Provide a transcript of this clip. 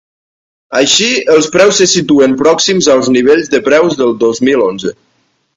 Així, els preus se situen pròxims als nivells de preus del dos mil onze.